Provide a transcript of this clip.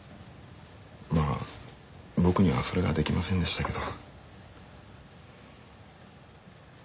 まあ僕にはそれができませんでしたけど。